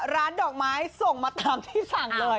ร้านดอกไม้ส่งมาตามที่สั่งเลย